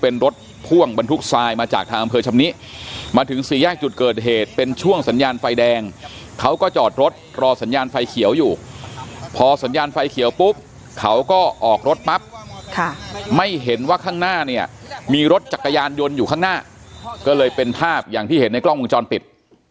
นี้มาถึงสี่แยกจุดเกิดเหตุเป็นช่วงสัญญาณไฟแดงเขาก็จอดรถรอสัญญาณไฟเขียวอยู่พอสัญญาณไฟเขียวปุ๊บเขาก็ออกรถปั๊บค่ะไม่เห็นว่าข้างหน้าเนี้ยมีรถจักรยานยนต์อยู่ข้างหน้าก็เลยเป็นภาพอย่างที่เห็นในกล้องมุมจรปิด